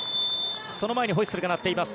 その前にホイッスルが鳴っています。